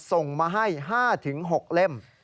ส่งมาให้๕๖เล่ม